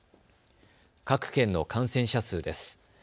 各県の感染者数です。